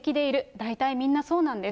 大体みんなそうなんです。